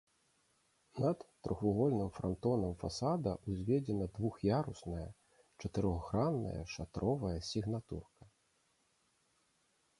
Над трохвугольным франтонам фасада ўзведзена двух'ярусная чатырохгранная шатровая сігнатурка.